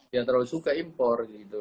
yang terlalu suka impor gitu